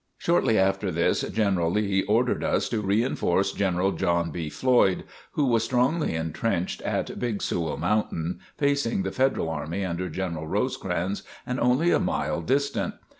Shortly after this, General Lee ordered us to reinforce General John B. Floyd, who was strongly intrenched at Big Sewell Mountain, facing the Federal Army under General Rosecrans and only a mile distant.